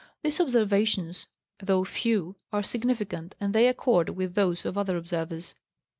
These observations, though few, are significant, and they accord with those of other observers.